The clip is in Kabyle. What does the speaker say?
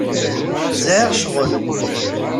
Sɛiɣ ccɣel.